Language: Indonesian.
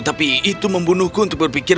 tapi itu membunuhku untuk berpikir